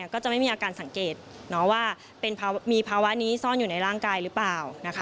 ก็จะไม่มีอาการสังเกตว่ามีภาวะนี้ซ่อนอยู่ในร่างกายหรือเปล่า